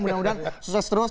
mudah mudahan sukses terus